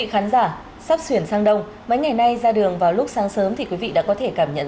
hãy đăng ký kênh để ủng hộ kênh của chúng mình nhé